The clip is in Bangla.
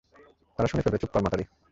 তারা শুনে ফেলবে চুপ কর মাতারি।